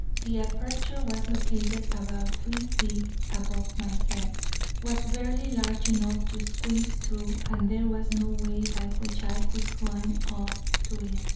The aperture was located about three feet above my head; was barely large enough to squeeze through, and there was no way by which I could climb up to it.